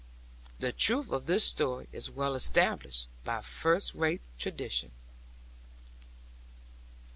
'The truth of this story is well established by first rate tradition.